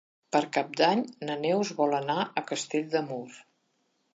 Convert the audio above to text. Per Cap d'Any na Neus vol anar a Castell de Mur.